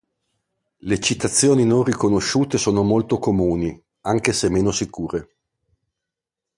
Le citazioni non riconosciute sono molto comuni, anche se meno sicure.